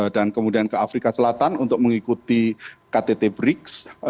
dan kemudian ke afrika selatan untuk mengikuti ktt briggs